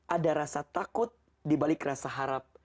ada rasa takut dibalik rasa harap